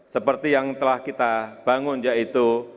seperti yang telah kita bangun yaitu